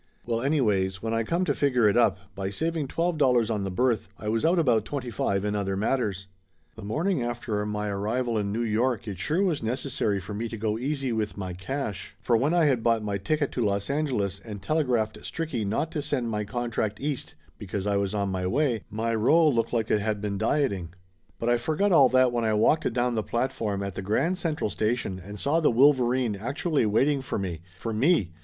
Well anyways, when I come to figure it up, by saving twelve dollars on the berth I was out about twenty five in other matters. The morning after my arrival in New York, it sure was necessary for me to go easy with my cash, for when I had bought my ticket to Los Angeles and telegraphed Stricky not to send my contract East be cause I was on my way, my roll looked like it had 55 56 Laughter Limited been dieting. But I forgot all that when I walked down the platform at the Grand Central Station and saw the Wolverine actually waiting for me for me!